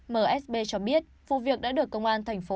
msb cho biết vụ việc đã được công an tp hcm